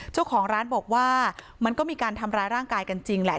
เจ้าของร้านบอกว่ามันก็มีการทำร้ายร่างกายกันจริงแหละ